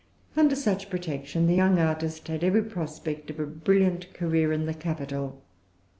Under such protection, the young artist had every prospect of a brilliant career in the capital.